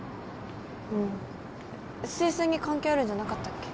うん推薦に関係あるんじゃなかったっけ？